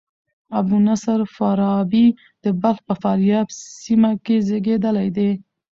ابو نصر فارابي د بلخ په فاریاب سیمه کښي زېږېدلى دئ.